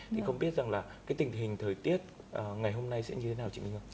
thì không biết rằng là cái tình hình thời tiết ngày hôm nay sẽ như thế nào chị hương